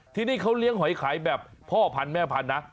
ที่นี่เขาเลี้ยงหอยขายแบบพ่อพันธุ์แม่พันธุ์นะ